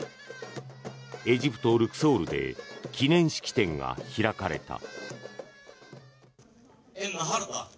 エジプト・ルクソールで記念式典が開かれた。